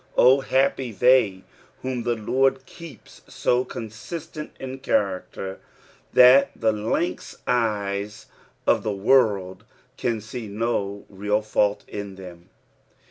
O happy they whom tfae Lord keeps so consistent in character that the lynx eyes of the world can see no real fault in them.